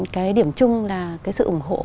cái điểm chung là cái sự ủng hộ